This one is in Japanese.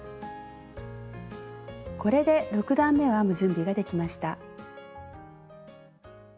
これで６段めを編む準備ができました。